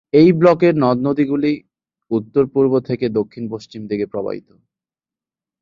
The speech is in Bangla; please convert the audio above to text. এই ব্লকের নদ-নদীগুলি উত্তর-পূর্ব থেকে দক্ষিণ-পশ্চিম দিকে প্রবাহিত।